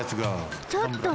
ちょっと！